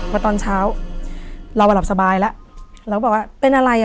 มาตอนเช้าเรามาหลับสบายแล้วเราก็บอกว่าเป็นอะไรอ่ะ